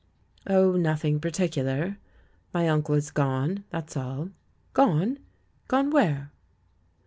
"Oh, nothing particular. JNIy uncle has gone, that's all." "'Gone'? Gone where?"